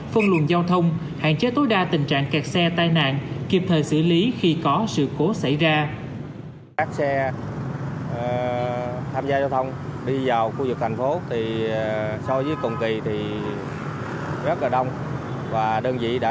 phân luận giao thông hạn chế tối đa tình trạng kẹt xe tai nạn kịp thời xử lý khi có sự cố xảy ra